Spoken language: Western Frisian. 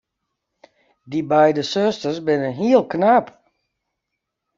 Dy beide susters binne hiel knap.